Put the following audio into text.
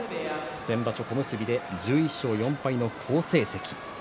先場所小結で１１勝４敗の好成績。